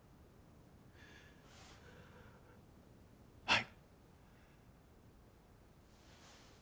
はい。